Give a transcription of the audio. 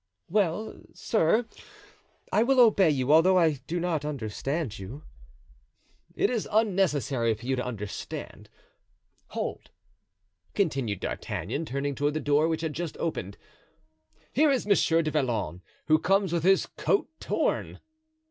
"Well, sir, I will obey you, although I do not understand you." "It is unnecessary for you to understand. Hold," continued D'Artagnan, turning toward the door, which had just opened, "here is Monsieur du Vallon, who comes with his coat torn."